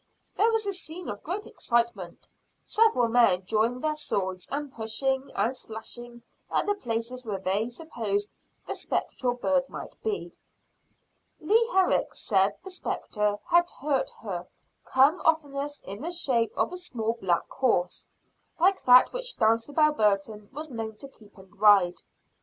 There was a scene of great excitement, several men drawing their swords and pushing and slashing at the places where they supposed the spectral bird might be. Leah Herrick said the spectre that hurt her came oftenest in the shape of a small black horse, like that which Dulcibel Burton was known to keep and ride.